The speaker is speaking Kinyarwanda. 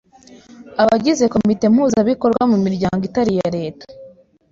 Abagize komite mpuzabikorwa mu miryango itari iya Leta